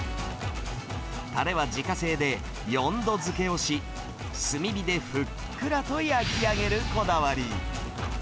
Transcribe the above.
たれは自家製で、４度付けをし、炭火でふっくらと焼き上げるこだわり。